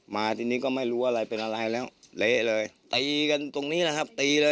มาทีนี้ก็ไม่รู้อะไรเป็นอะไรแล้วเละเลยตีกันตรงนี้แหละครับตีเลย